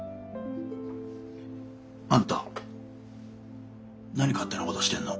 あんた何勝手なことしてんの？